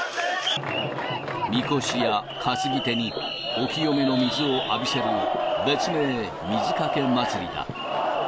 みこしや担ぎ手にお清めの水を浴びせる別名、水かけ祭りだ。